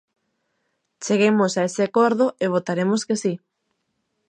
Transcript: Cheguemos a ese acordo e votaremos que si.